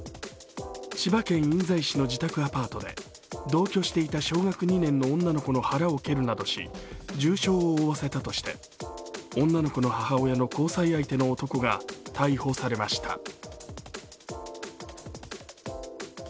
千葉県印西市の自宅アパートで同居していた小学２年の女の子の腹を蹴るなどして重傷を負わせたとして女の子の母親の交際相手の男が逮捕されました。